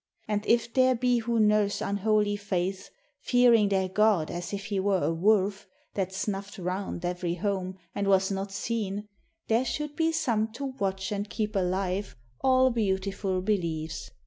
And if there be who nurse unholy faiths, Fearing their god as if he were a wolf That snuffed round every home and was not seen, There should be some to watch and keep alive All beautiful beliefs.